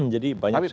jadi banyak sekali